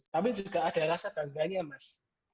tapi juga ada rasa bangganya mas